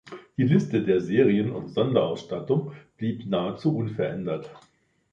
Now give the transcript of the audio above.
Die Liste der Serien- und Sonderausstattung blieb nahezu unverändert.